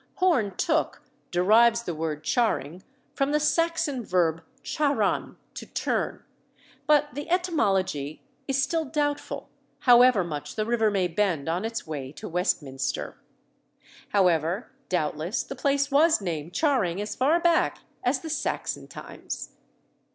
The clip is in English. Horne Tooke derives the word Charing from the Saxon verb charan to turn; but the etymology is still doubtful, however much the river may bend on its way to Westminster. However, doubtless, the place was named Charing as far back as the Saxon times.